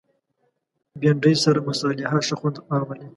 بېنډۍ سره مصالحه ښه خوند راولي